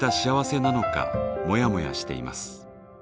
モヤモヤしています。